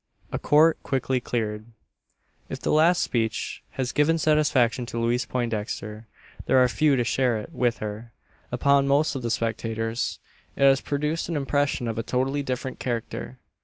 A COURT QUICKLY CLEARED. If the last speech has given satisfaction to Louise Poindexter, there are few who share it with her. Upon most of the spectators it has produced an impression of a totally different character.